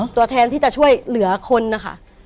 ตัวแทนที่จะช่วยเหลือคนนะคะ